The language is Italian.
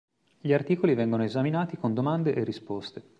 Gli articoli vengono esaminati con domande e risposte.